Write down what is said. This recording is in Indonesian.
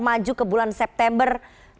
maju ke bulan september